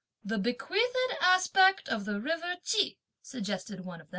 "The bequeathed aspect of the river Ch'i!"